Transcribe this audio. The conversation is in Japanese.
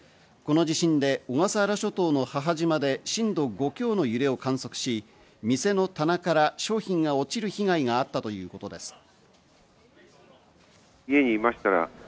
この地震で小笠原諸島の母島で震度５強の揺れを観測し、店の棚から商品が落ちる被害があったということです。